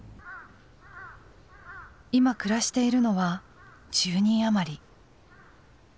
今暮らしているのは１０人余り。